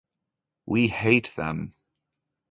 We hate them.